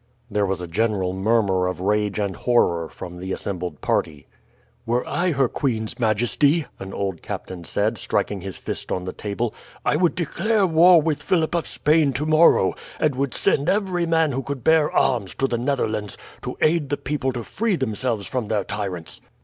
There was a general murmur of rage and horror from the assembled party. "Were I her queen's majesty," an old captain said, striking his fist on the table, "I would declare war with Philip of Spain tomorrow, and would send every man who could bear arms to the Netherlands to aid the people to free themselves from their tyrants.